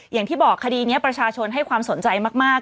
อย่างที่บอกคดีนี้ประชาชนให้ความสนใจมาก